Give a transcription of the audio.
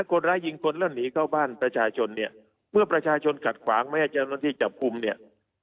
คนร้ายยิงคนแล้วหนีเข้าบ้านประชาชนเนี่ยเมื่อประชาชนขัดขวางไม่ให้เจ้าหน้าที่จับกลุ่มเนี่ย